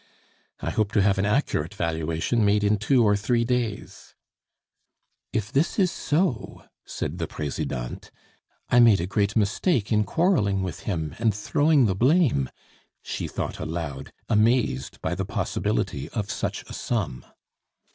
I hope to have an accurate valuation made in two or three days " "If this is so," said the Presidente, "I made a great mistake in quarreling with him and throwing the blame " she thought aloud, amazed by the possibility of such a sum.